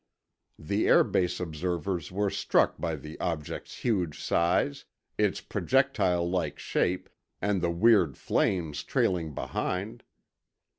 The air base observers were struck by the object's huge size, its projectile like shape, and the weird flames trailing behind.